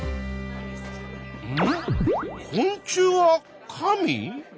「昆虫は神」？